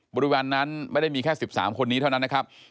บริเวณนั้นไม่ได้มีแค่๑๓คนนี้เท่านั้นนะครับ